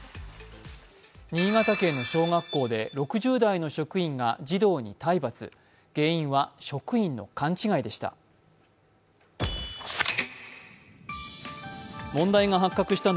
新潟県の小学校で６０代の職員が児童に体罰、原因は職員の勘違いでした。